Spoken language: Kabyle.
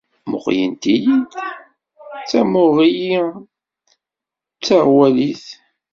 Mmuqqlen-iyi-d tamuɣli d taɣwalit.